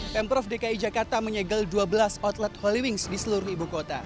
pemprov dki jakarta menyegel dua belas outlet holy wings di seluruh ibu kota